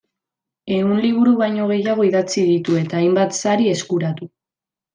Ehun liburu baino gehiago idatzi ditu eta hainbat sari eskuratu.